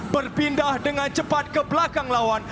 berpindah dengan cepat ke belakang lawan